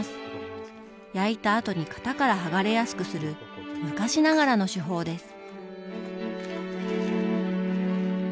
焼いたあとに型から剥がれやすくする昔ながらの手法です。